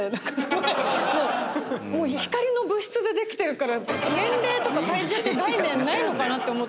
もう光の物質でできてるから年齢とか体重って概念ないのかなって思っちゃって。